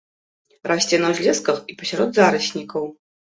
Расце на ўзлесках і пасярод зараснікаў.